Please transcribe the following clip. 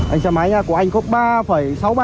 anh xem máy nha của anh có ba sáu mươi ba